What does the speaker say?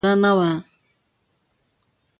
بله چاره نه وه.